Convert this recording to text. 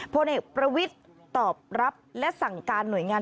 พลเอกประวิทย์ตอบรับและสั่งการหน่วยงาน